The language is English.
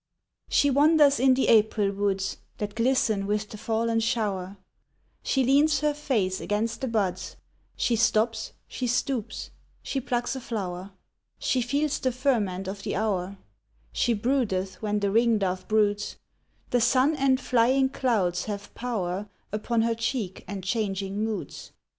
She wanders in the April woods, That glisten with the fallen shower; She leans her face against the buds, She stops, she stoops, she plucks a flower. She feels the ferment of the hour: She broodeth when the ringdove broods; The sun and flying clouds have power Upon her cheek and changing moods.